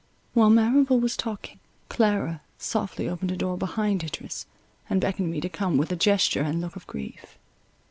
While Merrival was talking, Clara softly opened a door behind Idris, and beckoned me to come with a gesture and look of grief.